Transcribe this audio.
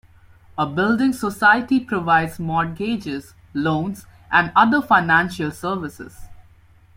A building society provides mortgages, loans and other financial services